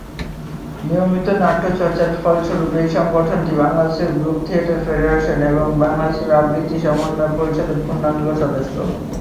নিয়মিত নাট্য চর্চার ফলস্বরূপ এই সংগঠনটি বাংলাদেশ গ্রুপ থিয়েটার ফেডারেশন এবং বাংলাদেশ আবৃত্তি সমন্বয় পরিষদের পূর্ণাঙ্গ সদস্য।